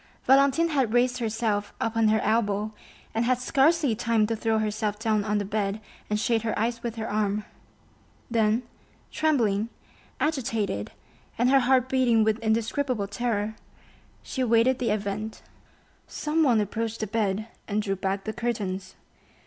Valentine had raised herself upon her elbow, and had scarcely time to throw herself down on the bed and shade her eyes with her arm; then, trembling, agitated, and her heart beating with indescribable terror, she awaited the event. Someone approached the bed and drew back the curtains.